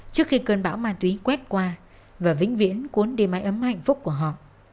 trước khi cơn bão ma túy quét qua và vĩnh viễn cuốn đi mái ấm hạnh phúc của họ